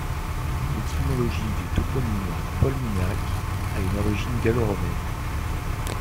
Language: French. L'étymologie du toponyme Polminhac a une origine gallo-romaine.